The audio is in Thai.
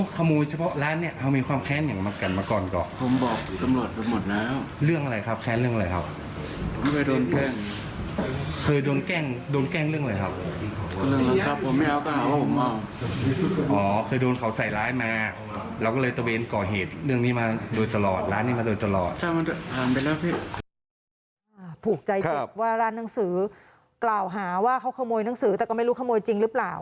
ถูกใจสุดว่าร้านหนังสือกล่าวหาว่าเขาขโมยหนังสือแต่ก็ไม่รู้ขโมยจริงหรือเปล่า